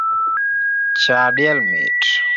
Cha diel mit